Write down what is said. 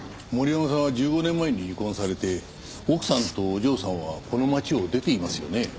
森山さんは１５年前に離婚されて奥さんとお嬢さんはこの町を出ていますよね？